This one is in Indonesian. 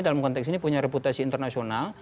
dalam konteks ini punya reputasi internasional